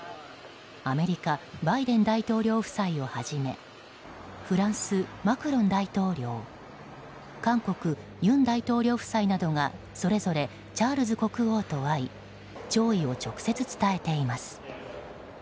アメリカバイデン大統領夫妻をはじめフランス、マクロン大統領韓国、尹大統領夫妻などがそれぞれ、チャールズ国王と会い弔意を直接伝えています。